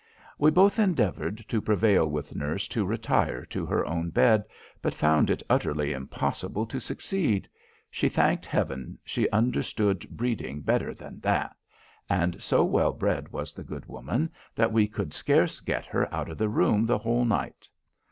"We both endeavoured to prevail with nurse to retire to her own bed, but found it utterly impossible to succeed; she thanked Heaven she understood breeding better than that. And so well bred was the good woman, that we could scarce get her out of the room the whole night.